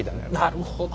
なるほどね。